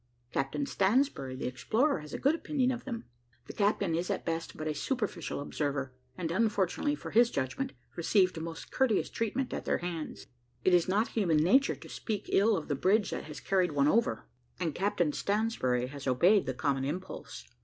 Captain Stansbury, the explorer, has a good opinion of them. The captain is at best but a superficial observer; and, unfortunately for his judgment, received most courteous treatment at their hands. It is not human nature "to speak ill of the bridge that has carried one over"; and Captain Stansbury has obeyed the common impulse.